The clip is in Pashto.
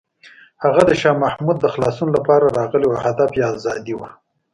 هغه د شاه محمود د خلاصون لپاره راغلی و او هدف یې ازادي وه.